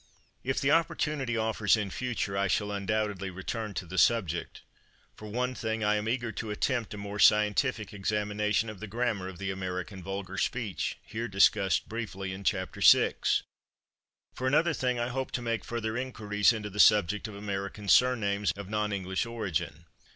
If the opportunity offers in future I shall undoubtedly return to the subject. For one thing, I am eager to attempt a more scientific examination of the grammar of the American vulgar speech, here discussed briefly in Chapter VI. For another thing, I hope to make further inquiries into the subject of American surnames of non English origin.